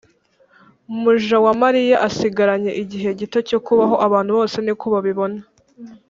mujawamaliya asigaranye igihe gito cyo kubaho abantu bose niko babibona